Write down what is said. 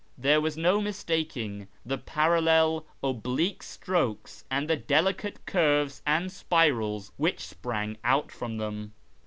There was no mistaking the parallel oblique strokes and the delicate curves and spirals which sprang from them.